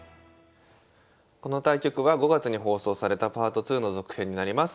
この対局は５月に放送された「Ｐａｒｔ２」の続編になります。